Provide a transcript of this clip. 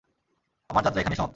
আমার যাত্রা এখানেই সমাপ্ত।